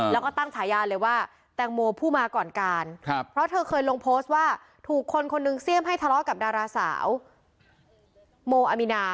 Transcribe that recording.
แล้วก็ตั้งฉายาเลยว่าแตงโมผู้มาก่อนการเพราะเธอเคยลงโพสต์ว่าถูกคนคนหนึ่งเสี่ยมให้ทะเลาะกับดาราสาวโมอามินา